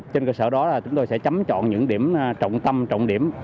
trên cơ sở đó chúng tôi sẽ chấm chọn những điểm trọng tâm trọng điểm